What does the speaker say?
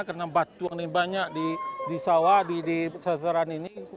karena batuang ini banyak di sawah di sasaran ini